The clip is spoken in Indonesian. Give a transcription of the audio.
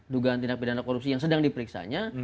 dugaan tindak pidana korupsi yang sedang diperiksanya